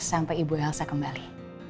sampai ibu elsa kembali